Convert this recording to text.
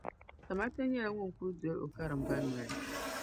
Samata nyɛla ŋun kuli doli o karimba noli.